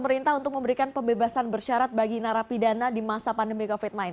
pemerintah untuk memberikan pembebasan bersyarat bagi narapidana di masa pandemi covid sembilan belas